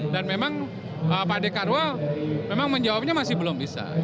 dan memang pak d karwo memang menjawabnya masih belum bisa